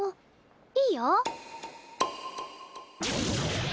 いいよ。